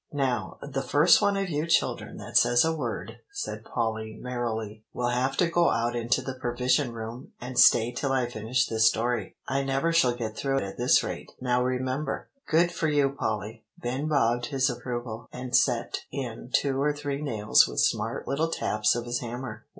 "Now, the first one of you children that says a word," said Polly merrily, "will have to go out into the Provision Room and stay till I finish this story. I never shall get through at this rate; now remember." "Good for you, Polly." Ben bobbed his approval, and set in two or three nails with smart little taps of his hammer.